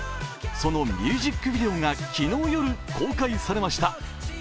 そのミュージックビデオが昨日夜、公開されました。